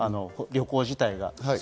旅行自体が。